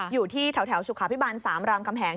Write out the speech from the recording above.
อยู่ที่แถวชุขาพิบันสามรามกำแหง